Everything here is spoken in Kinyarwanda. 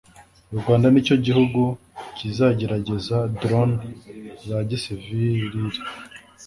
u Rwanda ni cyo gihugu kizagerageza ’drones’ za gisivilile